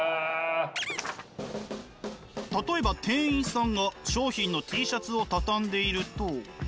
例えば店員さんが商品のＴシャツを畳んでいると。